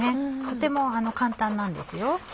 とても簡単なんですよ。